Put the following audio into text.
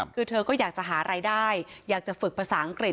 คือเธอก็อยากจะหารายได้อยากจะฝึกภาษาอังกฤษ